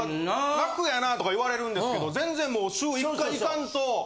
楽やなとか言われるんですけど全然もう週１回行かんと。